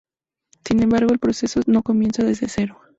Sin embargo, el proceso no comienza desde cero.